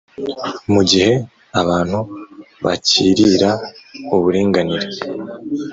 mugihe abantu bacyirira uburinganire